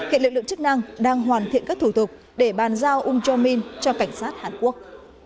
hiện lực lượng chức năng đang hoàn thiện các thủ tục để bàn giao um jong min cho cảnh sát hàn quốc